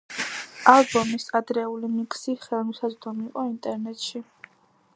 ალბომის ადრეული მიქსი ხელმისაწვდომი იყო ინტერნეტში.